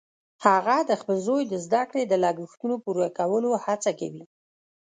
هغه د خپل زوی د زده کړې د لګښتونو پوره کولو هڅه کوي